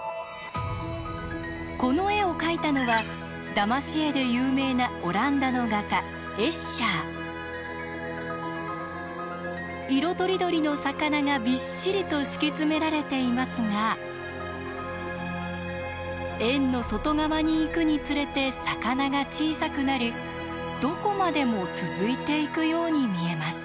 この絵を描いたのはだまし絵で有名なオランダの画家色とりどりの魚がびっしりと敷き詰められていますが円の外側に行くにつれて魚が小さくなりどこまでも続いていくように見えます。